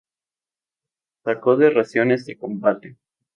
Saco de Raciones de Combate.